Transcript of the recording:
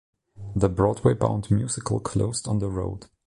The Broadway-bound musical closed on the road.